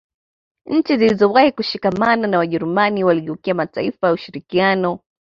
Nchi zilizowahi kushikamana na Wajerumani waligeukia mataifa ya ushirikiano